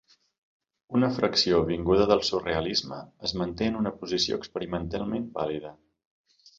Una fracció vinguda del surrealisme es manté en una posició experimental vàlida.